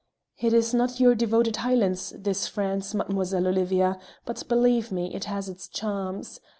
It is not your devoted Highlands, this France, Mademoiselle Olivia, but believe me, it has its charms.